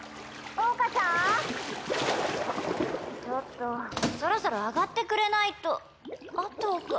ちょっとそろそろ上がってくれないとあとが。